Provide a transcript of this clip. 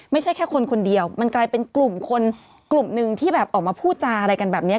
ไม่ใช่แค่คนคนเดียวมันกลายเป็นกลุ่มคนกลุ่มหนึ่งที่แบบออกมาพูดจาอะไรกันแบบนี้